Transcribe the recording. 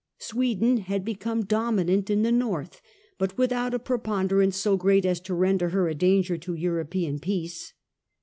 Sweden had become dominant in the North, but with out a preponderance so great as to render her a danger to European peace.